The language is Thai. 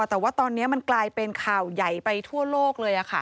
แต่ว่าตอนนี้มันกลายเป็นข่าวใหญ่ไปทั่วโลกเลย